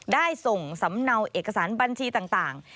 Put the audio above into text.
ได้ส่งสำเนาเอกสารบัญชีต่าง